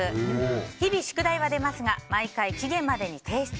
日々宿題が出ますが毎回期限までに提出。